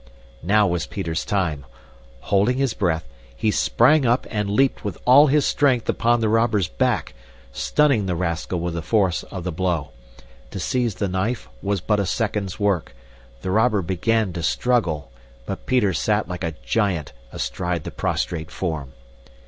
Now was Peter's time! Holding his breath, he sprang up and leaped with all his strength upon the robber's back, stunning the rascal with the force of the blow. To seize the knife was but a second's work. The robber began to struggle, but Peter sat like a giant astride the prostrate form.